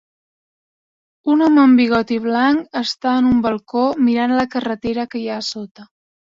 Un home amb bigoti blanc està en un balcó mirant la carretera que hi ha a sota.